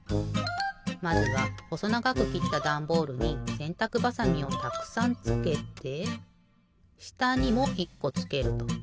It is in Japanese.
まずはほそながくきったダンボールにせんたくばさみをたくさんつけてしたにも１こつけると。